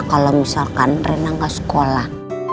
kalau misalkan rena gak sekolah